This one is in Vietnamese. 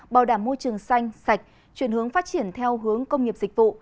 bảo đảm môi trường xanh sạch chuyển hướng phát triển theo hướng công nghiệp dịch vụ